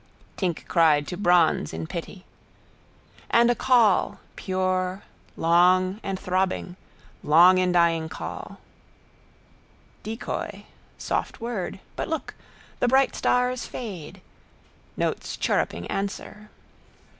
Tink cried to bronze in pity. And a call, pure, long and throbbing. Longindying call. Decoy. Soft word. But look: the bright stars fade. Notes chirruping answer.